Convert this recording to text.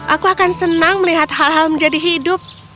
aku akan senang melihat hal hal menjadi hidup